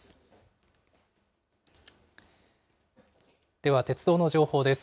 では、鉄道の情報です。